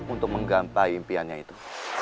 untuk menggantai impiannya itu